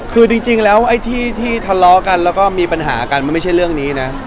คือจริงแล้วไอ้ที่ทะเลาะกันแล้วก็มีปัญหากันมันไม่ใช่เรื่องนี้นะ